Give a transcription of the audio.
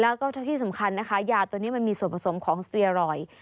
แล้วก็ที่สำคัญนะคะยาตัวนี้มันมีส่วนผสมของสเตียรอยด์